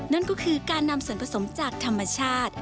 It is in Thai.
นั่นก็คือการนำส่วนผสมจากธรรมชาติ